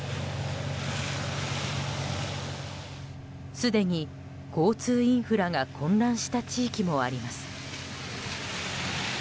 すでに交通インフラが混乱した地域もあります。